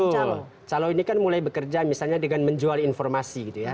kalau calon ini kan mulai bekerja misalnya dengan menjual informasi gitu ya